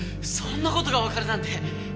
そんな事がわかるなんて！